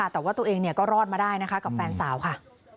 แต่ว่าตัวเองก็รอดมาได้นะคะกับแฟนสาวค่ะ